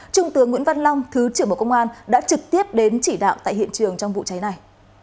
trung tướng nguyễn văn long thứ trưởng bộ công an đã trực tiếp đến chỉ đạo tại hiện trường trong vụ cháy này